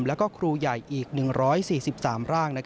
แล้วก็ครูใหญ่อีก๑๔๓ร่าง